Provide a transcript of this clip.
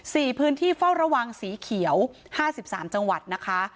พื้นที่เฝ้าระวังสีเขียวห้าสิบสามจังหวัดนะคะ